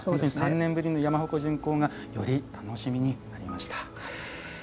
３年ぶりの山鉾巡行がより楽しみになりました。